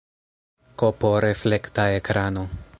Kp reflekta ekrano.